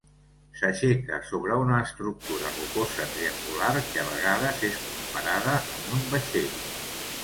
S'aixeca sobre una estructura rocosa triangular que a vegades és comparada amb un vaixell.